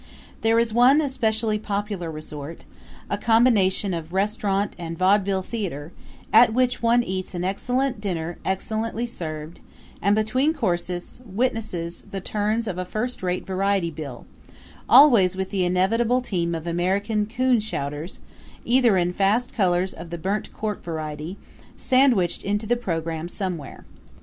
There is one especially popular resort, a combination of restaurant and vaudeville theater, at which one eats an excellent dinner excellently served, and between courses witnesses the turns of a first rate variety bill, always with the inevitable team of American coon shouters, either in fast colors or of the burnt cork variety, sandwiched into the program somewhere.